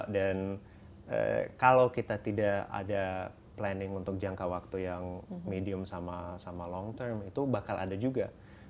dan kalau kita tidak ada planning untuk jangka waktu yang medium sama long term itu bakal ada juga